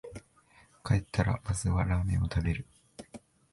帰ったらまずはラーメン食べる